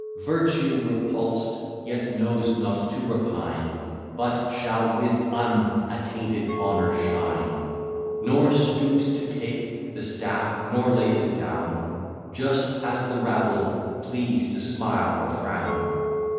Virtue repulsed, yet knows not to repine; But shall with unattainted honour shine; Nor stoops to take the staff, nor lays it down, Just as the rabble please to smile or frown.